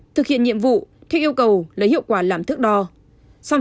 thực hiện nhiệm vụ theo yêu cầu lấy hiệu quả làm thước đo